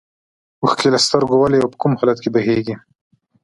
اوښکې له سترګو ولې او په کوم حالت کې بهیږي.